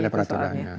ada peraturan ya